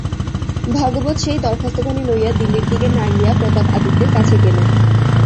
ভাগবত সেই দরখাস্তখানি লইয়া দিল্লীর দিকে না গিয়া প্রতাপ আদিত্যের কাছে গেল।